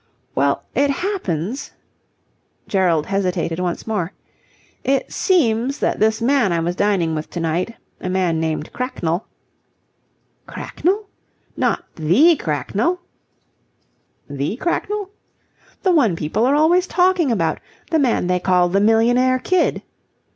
"Well, it happens..." Gerald hesitated once more. "It seems that this man I was dining with to night a man named Cracknell..." "Cracknell? Not the Cracknell?" "The Cracknell?" "The one people are always talking about. The man they call the Millionaire Kid."